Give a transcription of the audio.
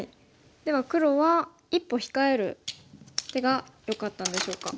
では黒は一歩控える手がよかったんでしょうか。